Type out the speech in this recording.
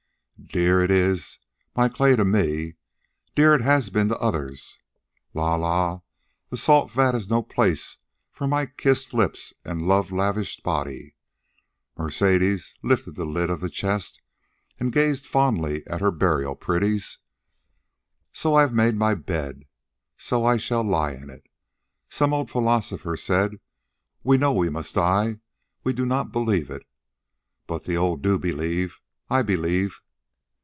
Dear it is, my clay to me; dear it has been to others. La la, the salt vat is no place for my kissed lips and love lavished body." Mercedes lifted the lid of the chest and gazed fondly at her burial pretties. "So I have made my bed. So I shall lie in it. Some old philosopher said we know we must die; we do not believe it. But the old do believe. I believe.